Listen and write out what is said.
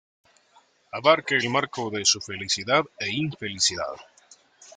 Abarca el marco de su felicidad e infelicidad.